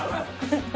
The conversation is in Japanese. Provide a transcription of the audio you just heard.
ハハハハ。